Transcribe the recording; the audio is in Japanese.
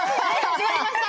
始まりました。